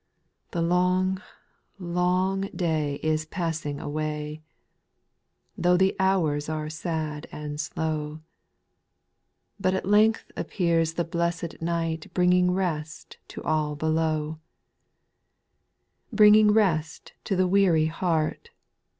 3. The long, long day is passing away, Though the hours are sad and slow ; But at length appears the blessed night Bringing rest to all below ;— 4. Bringing rest to the weary heart.